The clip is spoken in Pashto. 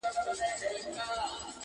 ته په زولنو کي د زندان حماسه ولیکه!